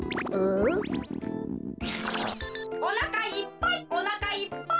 「おなかいっぱいおなかいっぱい！」。